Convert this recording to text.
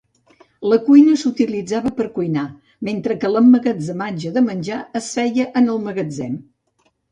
La cuina s'utilitzava per cuinar, mentre que l'emmagatzematge de menjar es feia en el magatzem.